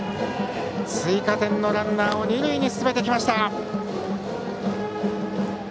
追加点のランナーを二塁に進めた。